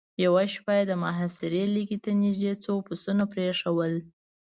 يوه شپه يې د محاصرې ليکې ته نېزدې څو پسونه پرېښودل.